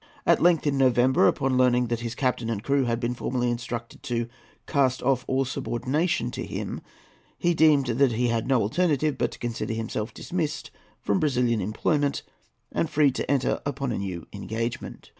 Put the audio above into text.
At length, in November, upon learning that his captain and crew had been formally instructed to "cast off all subordination" to him, he deemed that he had no alternative but to consider himself dismissed from Brazilian employment and free to enter upon a new engagement.